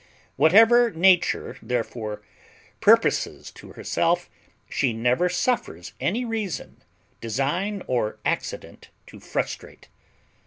Whatever Nature, therefore, purposes to herself, she never suffers any reason, design, or accident to frustrate.